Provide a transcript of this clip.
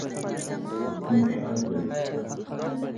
د کوم ښار دی ؟